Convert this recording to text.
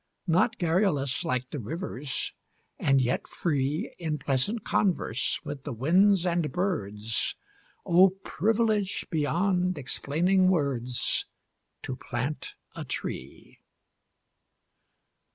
Not garrulous like the rivers; and yet free In pleasant converse with the winds and birds; Oh! privilege beyond explaining words, To plant a tree.